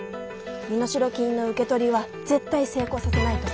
身代金の受け取りは絶対成功させないと。